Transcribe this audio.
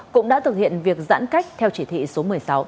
cũng đã thực hiện việc giãn cách theo chỉ thị số một mươi sáu